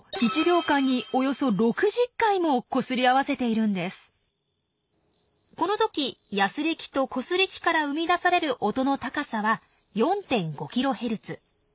なんとこの時ヤスリ器とコスリ器から生み出される音の高さは４．５キロヘルツ。